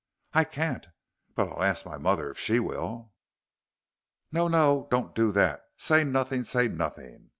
"I can't. But I'll ask my mother if she will." "No, no! Don't do that say nothing say nothing.